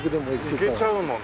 行けちゃうもんね。